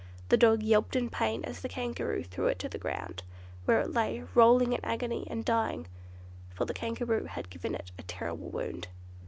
The dog yelped in pain as the Kangaroo threw it to the ground, where it lay rolling in agony and dying; for the Kangaroo had given it a terrible wound.